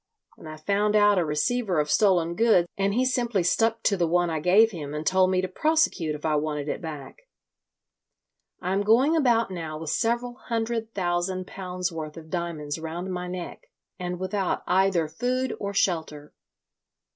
And I found out a receiver of stolen goods, and he simply stuck to the one I gave him and told me to prosecute if I wanted it back. I am going about now with several hundred thousand pounds worth of diamonds round my neck, and without either food or shelter.